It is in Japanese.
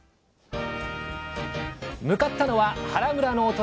向かったのは原村のお隣